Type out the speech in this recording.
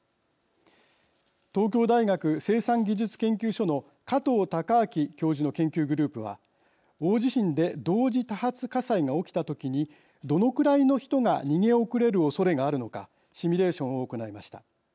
東京大学生産技術研究所の加藤孝明教授の研究グループは大地震で同時多発火災が起きた時にどのくらいの人が逃げ遅れるおそれがあるのかシミュレーションを行いました。